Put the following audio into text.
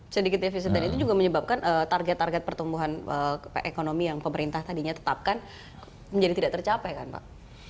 sedikit defisit dan itu juga menyebabkan target target pertumbuhan ekonomi yang pemerintah tadinya tetapkan menjadi tidak tercapai kan pak